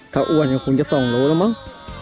ถ้าอ้วนก็คงจะส่องลูกแล้วมั้ง